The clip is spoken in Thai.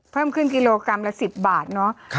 เพิ่มขึ้นกิโลกรัมละ๑๐บาทเนาะ